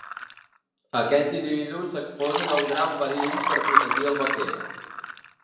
Aquests individus s'exposen a un gran perill per protegir el vaquer.